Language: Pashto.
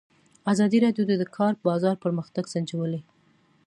ازادي راډیو د د کار بازار پرمختګ سنجولی.